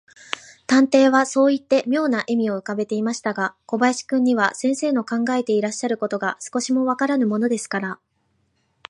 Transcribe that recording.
探偵はそういって、みょうな微笑をうかべましたが、小林君には、先生の考えていらっしゃることが、少しもわからぬものですから、